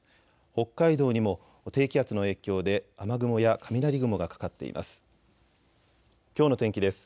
北海道にも低気圧の影響で雨雲や雷雲がかかっています。